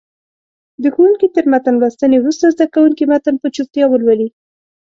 د ښوونکي تر متن لوستنې وروسته زده کوونکي متن په چوپتیا ولولي.